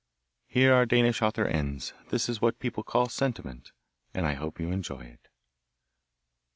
Here our Danish author ends. This is what people call sentiment, and I hope you enjoy it!